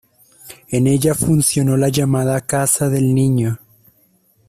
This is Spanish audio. En ella funcionó la llamada "Casa del Niño".